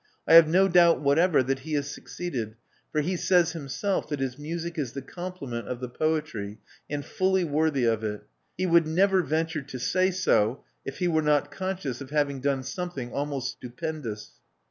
I have no doubt whatever that he has succeeded; for he says himself that his music is the complement of the poetry, and fully worthy of it. He would never venture so say so if he were not conscious of having done something almost stupendous."